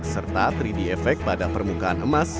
serta tiga d effect pada permukaan emas